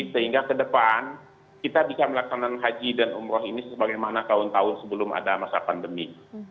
sehingga ke depan kita bisa melaksanakan haji dan umroh ini sebagaimana tahun tahun sebelum ada masa pandemi